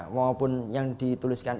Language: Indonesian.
maupun yang dituliskan